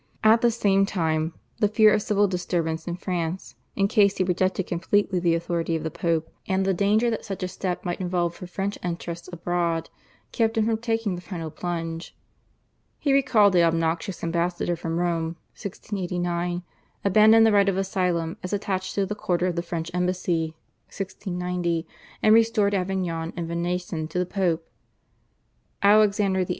At the same time the fear of civil disturbance in France in case he rejected completely the authority of the Pope, and the danger that such a step might involve for French interests abroad kept him from taking the final plunge. He recalled the obnoxious ambassador from Rome (1689), abandoned the right of asylum as attached to the quarter of the French embassy (1690), and restored Avignon and Venaissin to the Pope. Alexander VIII.